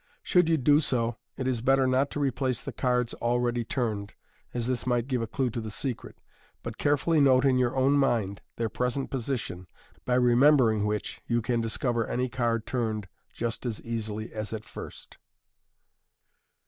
Should you do so, it is better not to replace the cards already turned, as this might give a clue to the secret, but carefully note in your own mind their present position, by remembering which yon can discover say card turned just as easily as at first.